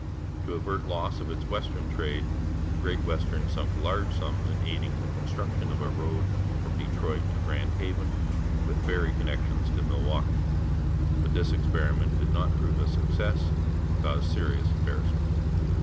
To avert loss of its western trade, the Great Western sunk large sums in aiding the construction of a road from Detroit to Grand Haven, with ferry connections to Milwaukee; but this experiment did not prove a success and caused serious embarrassment.